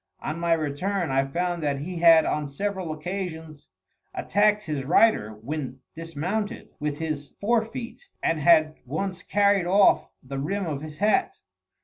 On my return, I found that he had on several occasions attacked his rider, when dismounted, with his fore feet, and had once carried off the rim of his hat.